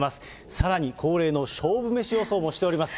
さらに恒例の勝負メシ予想もしております。